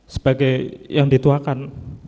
sebagai yang dituakan